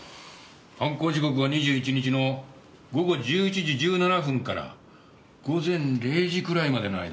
犯行時刻は２１日の午後１１時１７分から午前０時くらいまでの間。